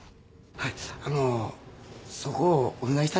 はい。